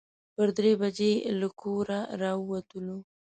پر درې بجې له کوره راووتلو.